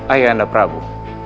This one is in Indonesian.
ayah anda prabu